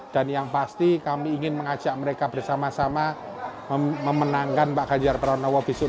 dan yang pasti kami ingin mengajak mereka bersama sama memenangkan pak ganjar peronowo besok dua ribu dua puluh empat